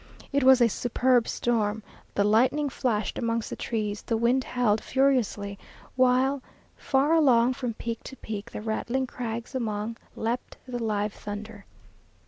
It was a superb storm: the lightning flashed amongst the trees, the wind howled furiously, while "Far along From peak to peak, the rattling crags among, Leapt the live thunder."